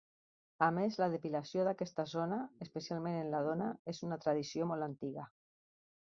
A més la depilació d’aquesta zona, especialment en la dona, és una tradició molt antiga.